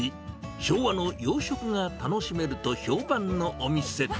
昭和の洋食が楽しめると評判のお店。